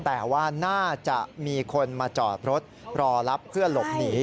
แต่ว่าน่าจะมีคนมาจอดรถรอรับเพื่อหลบหนี